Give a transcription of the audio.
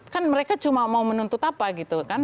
kan mereka cuma mau menuntut apa gitu kan